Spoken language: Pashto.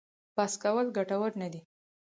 بحث کول ګټور نه دي.